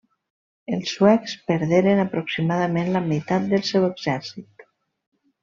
Els suecs perderen aproximadament la meitat del seu exèrcit.